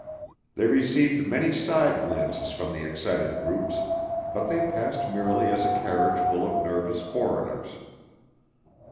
They received many side glances from the excited groups, but they passed merely as a carriage full of nervous foreigners.